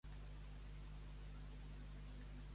Barba de cabra.